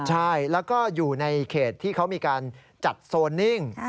ใช่แล้วก็อยู่ในเขตที่เขามีการจัดโซนนิ่ง